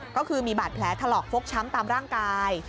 ก็คือมีบาดแผลถลอกฟกช้ำตามร่างกาย